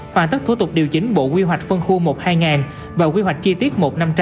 hoàn tất thủ tục điều chỉnh bộ quy hoạch phân khu một hai nghìn và quy hoạch chi tiết một năm trăm linh